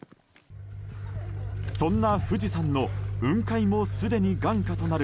そんな富士山の雲海もすでに眼下となる